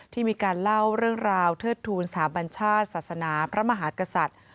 ที่มีการเล่าเรื่องราวเทิดทูลสถาบัญชาติศาสนาพระมหากษัตริย์